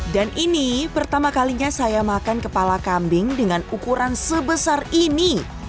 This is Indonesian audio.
dan ini pertama kalinya saya makan kepala kambing dengan ukuran sebesar ini